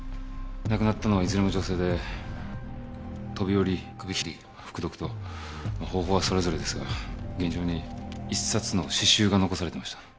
亡くなったのはいずれも女性で飛び降り首切り服毒と方法はそれぞれですが現場に一冊の詩集が残されていました。